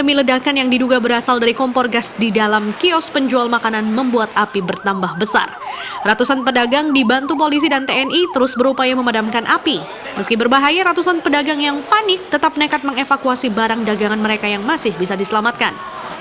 meski berbahaya ratusan pedagang yang panik tetap nekat mengevakuasi barang dagangan mereka yang masih bisa diselamatkan